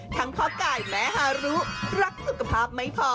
พ่อกายแม่ฮารุรักสุขภาพไม่พอ